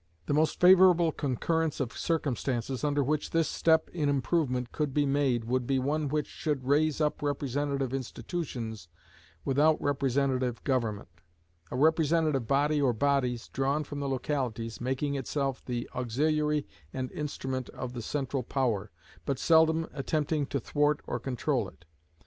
The most favorable concurrence of circumstances under which this step in improvement could be made would be one which should raise up representative institutions without representative government; a representative body or bodies, drawn from the localities, making itself the auxiliary and instrument of the central power, but seldom attempting to thwart or control it.